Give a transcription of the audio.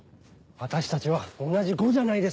私たちは同じ伍じゃないですか。